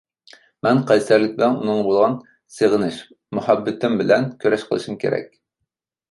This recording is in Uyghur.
مەن قەيسەرلىك بىلەن ئۇنىڭغا بولغان سېغىنىش، مۇھەببىتىم بىلەن كۈرەش قىلىشىم كېرەك.